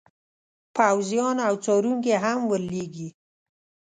پوځیان او څارونکي هم ور لیږي.